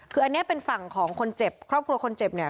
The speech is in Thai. คืออันนี้เป็นฝั่งของคนเจ็บครอบครัวคนเจ็บเนี่ย